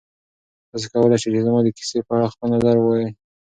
تاسو کولی شئ چې زما د کیسې په اړه خپل نظر ووایئ.